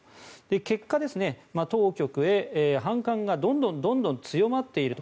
結果、当局へ反感がどんどん強まっていると。